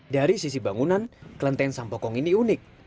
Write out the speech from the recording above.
dari sisi bangunan kelenteng sampokong ini unik